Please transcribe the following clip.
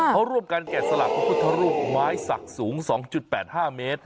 เขาร่วมกันแกะสลักพระพุทธรูปไม้สักสูง๒๘๕เมตร